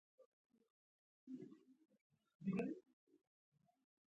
د جنت لاره د اعمالو له خاورې تېرېږي.